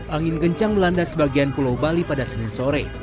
angin kencang melanda sebagian pulau bali pada senin sore